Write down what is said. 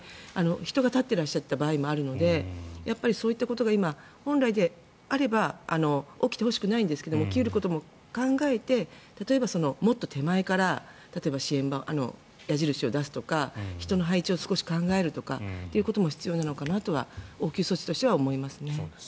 人が立っていらっしゃる場合もあるのでそういったことが今本来であれば起きてほしくないんですが起きることも考えて例えば、もっと手前から矢印を出すとか人の配置を少し考えるとかってことも必要なのかなと応急措置としては思います。